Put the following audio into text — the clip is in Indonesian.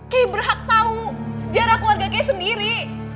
kay berhak tau sejarah keluarga kay sendiri